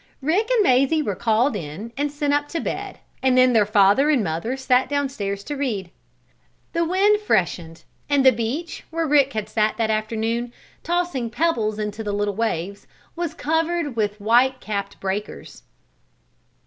Rick and Mazie were called in and sent up to bed, and then their father and mother sat down stairs to read. The wind freshened and the beach, where Rick had sat that afternoon, tossing pebbles into the little waves, was covered with white capped breakers.